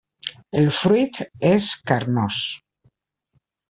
El fruit és carnós.